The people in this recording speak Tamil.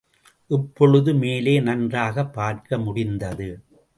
இப்பொழுது மேலே நன்றாகப் பார்க்க முடிந்தது.